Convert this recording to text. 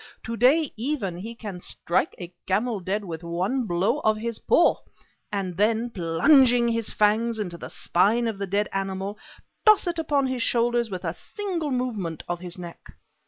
To day, even, he can strike a camel dead with one blow of his paw, and then, plunging his fangs into the spine of the dead animal, toss it upon his shoulders with a single movement of his neck.